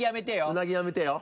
うなぎやめてよ。